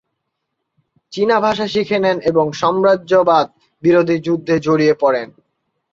চীনা ভাষা শিখে নেন এবং সাম্রাজ্যবাদ বিরোধী যুদ্ধে জড়িয়ে পড়েন।